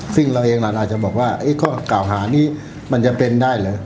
ซึ่งเราเองนั้นอาจจะบอกว่าข้อกล่าวหานี้มันจะเป็นได้เหรอ